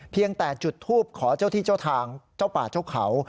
เพียงแต่จุดทูปขอเจ้าที่เจ้าทางเจ้าป่าเจ้าเขา